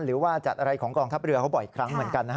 หรือว่าจัดอะไรของกองทัพเรือเขาบ่อยครั้งเหมือนกันนะฮะ